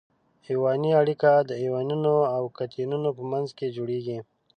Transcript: ایوني اړیکه د انیونونو او کتیونونو په منځ کې جوړیږي.